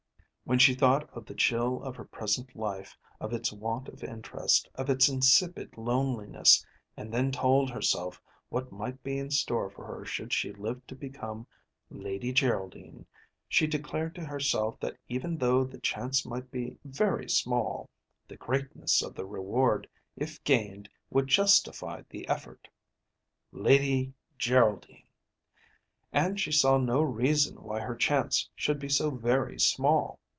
When she thought of the chill of her present life, of its want of interest, of its insipid loneliness, and then told herself what might be in store for her should she live to become Lady Geraldine, she declared to herself that even though the chance might be very small, the greatness of the reward if gained would justify the effort. Lady Geraldine! And she saw no reason why her chance should be so very small.